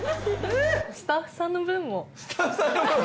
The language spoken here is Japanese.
スタッフさんの分！？